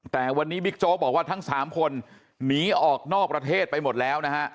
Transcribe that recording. แต่วันนี้บิ๊กโจ๊กบอกว่าทั้ง๓คนหนีออกนอกประเทศไปหมดแล้วนะฮะ